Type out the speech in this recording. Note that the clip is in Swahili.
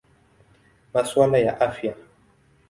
Masuala ya Afya.